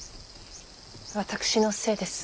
私のせいです。